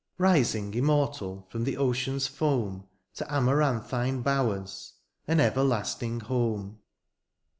Rising immortal from the ocean's foam To amaranthine bowers — ^an everlasting home.